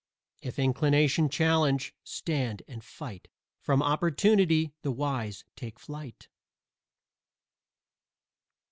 If Inclination challenge, stand and fight From Opportunity the wise take flight.